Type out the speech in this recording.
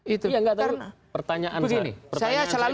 iya nggak tahu pertanyaan saya